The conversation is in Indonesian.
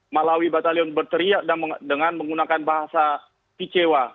malawi batalion berteriak dengan menggunakan bahasa icewa